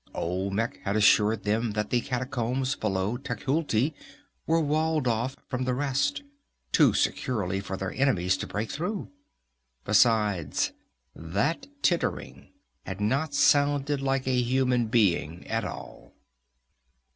Olmec had assured them that the catacombs below Tecuhltli were walled off from the rest, too securely for their enemies to break through. Besides, that tittering had not sounded like a human being at all.